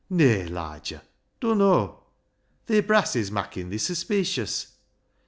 " Nay, Liger ; dunno ! Thi brass is makkin' thee suspeecious.